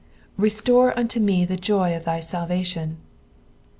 ReiCora uito me the joy of tky taltation.'